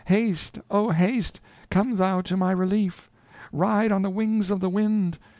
haste, oh! haste, come thou to my relief. Ride on the wings of the wind!